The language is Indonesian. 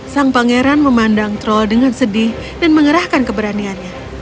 sang pangeran memandang troll dengan sedih dan mengerahkan keberaniannya